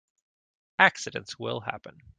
Accidents will happen.